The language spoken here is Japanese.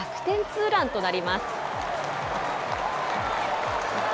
ツーランとなります。